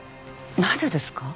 なぜですか？